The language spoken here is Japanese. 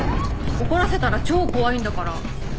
怒らせたら超怖いんだから。